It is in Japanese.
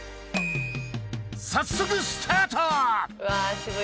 早速スタート！